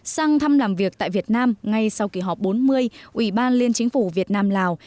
sang thăm làm việc tại việt nam ngay sau kỳ họp bốn mươi ủy ban liên chính phủ việt nam lào